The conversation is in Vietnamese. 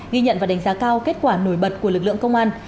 ghi nhận và đánh giá cao kết quả nổi bật của lực lượng công an